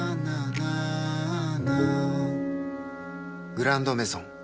「グランドメゾン」